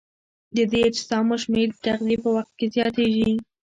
د دې اجسامو شمېر د تغذیې په وخت کې زیاتیږي.